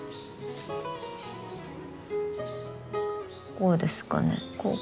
こうですかね。